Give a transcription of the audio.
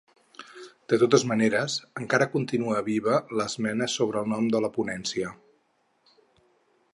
De totes maneres, encara continua viva l’esmena sobre el nom de la ponència.